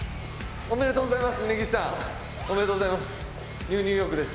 おめでとうございます。